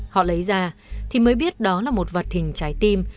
họ lấy ra thì mới biết đó là một vật hình trái tim